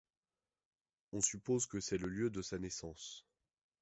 On suppose que c'est le lieu de sa naissance.